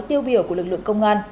tiêu biểu của lực lượng công an